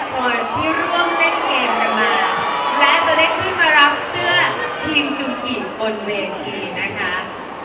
คนที่ร่วมเล่นเกมกันมาและจะได้ขึ้นมารับเสื้อทีมจุกิ่งบนเวทีนะคะ